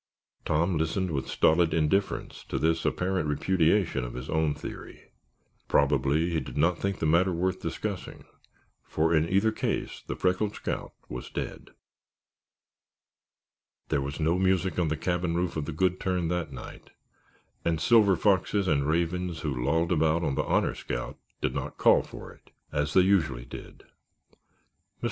Tom listened with stolid indifference to this apparent repudiation of his own theory. Probably he did not think the matter worth discussing for in either case the freckled scout was dead. There was no music on the cabin roof of the Good Turn that night and the Silver Foxes and Ravens who lolled about on the Honor Scout did not call for it, as they usually did. Mr.